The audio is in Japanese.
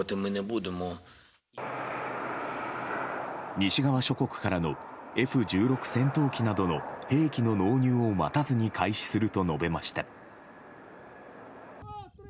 西側諸国からのＦ１６戦闘機などの兵器の納入を待たずに開始すると述べました。